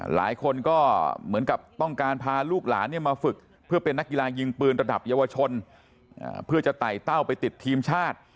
หลายคนก็เหมือนกับต้องการพาลูกหลานมาฝึกเพื่อเป็นนักกีฬายิงปืนระดับเยาวชนเพื่อจะไต่เต้าไปติดทีมชาติ